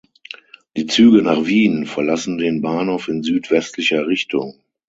Die Züge nach Wien verlassen den Bahnhof in südwestlicher Richtung.